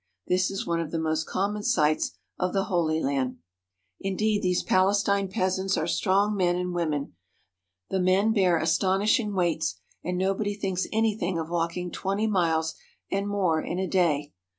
This is one of the most common sights of the Holy Land. Indeed these Palestine peasants are strong men and women. The men bear astonishing weights, and nobody thinks anything of walking twenty miles and more in a day.